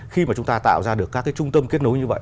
khi mà chúng ta tạo ra được các trung tâm kết nối như vậy